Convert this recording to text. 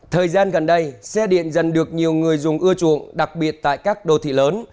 thời gian gần đây xe điện dần được nhiều người dùng ưa chuộng đặc biệt tại các đô thị lớn